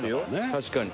確かに。